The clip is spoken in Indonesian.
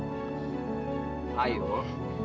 makasih ya pak